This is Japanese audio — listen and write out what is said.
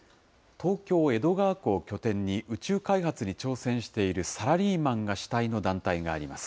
東京・江戸川区を拠点に、宇宙開発に挑戦しているサラリーマンが主体の団体があります。